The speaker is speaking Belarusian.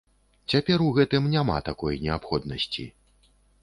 Цяпер у гэтым няма такой неабходнасці.